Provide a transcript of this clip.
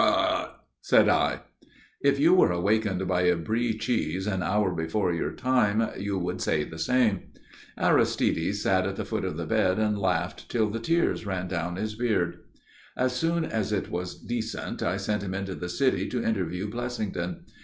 ," said I. If you were awakened by a Brie cheese, an hour before your time, you would say the same. Aristide sat at the foot of the bed and laughed till the tears ran down his beard. As soon as it was decent I sent him into the city to interview Blessington.